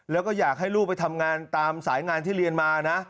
แล้วก็อยากให้ลูกไปทำงานตามสายงานที่เรียนมานะ